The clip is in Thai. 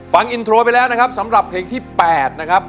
ฟังอินโทรไปแล้วนะครับสำหรับเพลงที่๘นะครับ